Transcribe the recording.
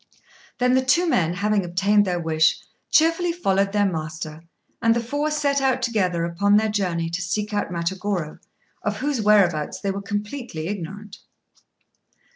Then the two men, having obtained their wish, cheerfully followed their master; and the four set out together upon their journey to seek out Matagorô, of whose whereabouts they were completely ignorant.